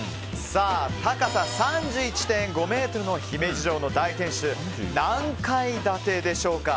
高さ３１．５ｍの姫路城の大天守、何階建てでしょうか。